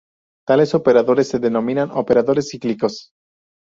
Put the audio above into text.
Tales operadores se denominan operadores cíclicos.